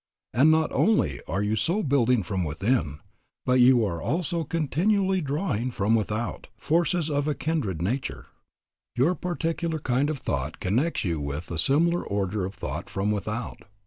And not only are you so building from within, but you are also continually drawing from without, forces of a kindred nature. Your particular kind of thought connects you with a similar order of thought from without.